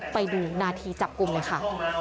ไปดูนาทีจับกลุ่มเลยค่ะ